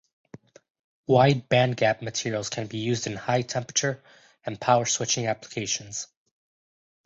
Wide bandgap materials can be used in high-temperature and power switching applications.